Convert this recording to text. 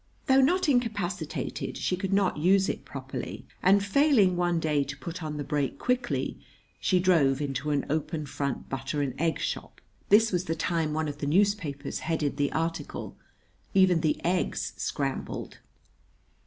Though not incapacitated, she could not use it properly; and, failing one day to put on the brake quickly, she drove into an open front butter and egg shop. [This was the time one of the newspapers headed the article: "Even the Eggs Scrambled."